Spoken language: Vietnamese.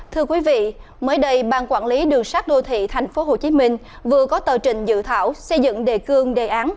thưa quý vị mới đây ban quản lý đường sát đô thị tp hcm vừa có tờ trình dự thảo xây dựng đề cương đề án